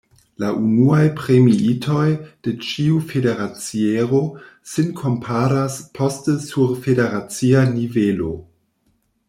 La unuaj premiitoj de ĉiu federaciero sin komparas poste sur federacia nivelo.